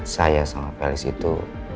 saya sama felis itu